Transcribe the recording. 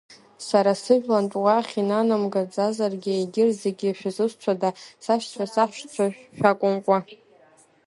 Сара сыжәлантә уахь инанамгаӡазаргьы егьырҭ зегьы шәызусҭцәада, сашьцәа, саҳәшьцәа шәакәымкәа…